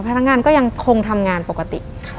พนักงานก็ยังคงทำงานปกติ